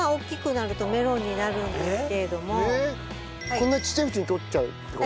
こんなちっちゃいうちにとっちゃうって事ですか？